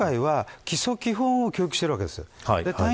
今回は、基礎基本を教育しているわけです。